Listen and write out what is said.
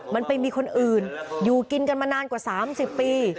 มันไปมีคนอื่นอยู่กินกันมานานกว่า๓๐ปี